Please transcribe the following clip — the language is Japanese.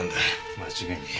間違いねえ。